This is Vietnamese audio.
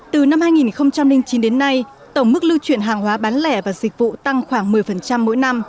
từ năm hai nghìn chín đến nay tổng mức lưu chuyển hàng hóa bán lẻ và dịch vụ tăng khoảng một mươi mỗi năm